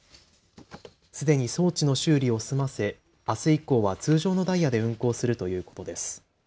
すでに装置の修理を済ませあす以降は通常のダイヤで運行するということです。